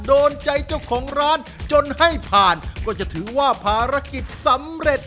โดนใจเจ้าของร้านจนให้ผ่านก็จะถือว่าภารกิจสำเร็จ